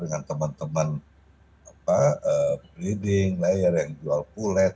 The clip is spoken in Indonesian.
dengan teman teman breeding layer yang jual pulet